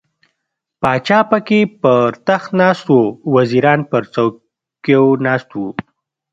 پاچا پکې پر تخت ناست و، وزیران پر څوکیو ناست وو.